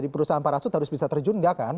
perusahaan parasut harus bisa terjun gak kan